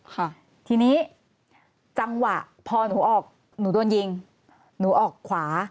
ค่ะทีนี้จังหวะพอหนูออกหนูโดนยิงหนูออกขวา